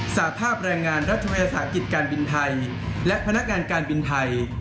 สาภาพแรงงานรัฐภาษากิจการบินไทยและพนักงานการบินไทย